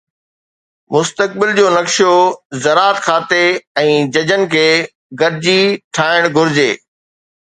مستقبل جو نقشو زراعت کاتي ۽ ججن کي گڏجي ٺاهڻ گهرجي